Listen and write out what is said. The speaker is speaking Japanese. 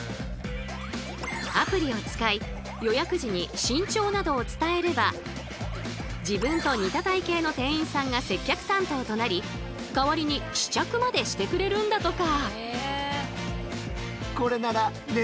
アプリを使い予約時に身長などを伝えれば自分と似た体型の店員さんが接客担当となり代わりに試着までしてくれるんだとか。